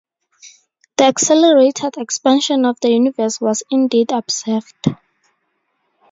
The accelerated expansion of the Universe was indeed observed.